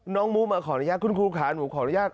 น้องมุมาขออนุญาตคุณครูขาหนูขออนุญาต